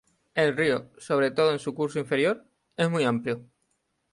El río, sobre todo en su curso inferior, es muy amplio.